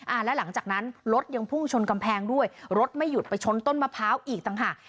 แล้วหลังจากนั้นรถยังพุ่งชนกำแพงด้วยรถไม่หยุดไปชนต้นมะพร้าวอีกต่างหาก